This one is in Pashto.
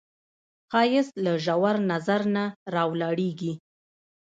ښایست له ژور نظر نه راولاړیږي